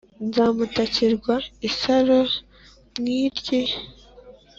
Nzamutakirwa isaro mwaryi